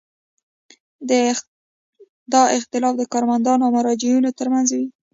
دا اختلاف د کارمندانو او مراجعینو ترمنځ وي.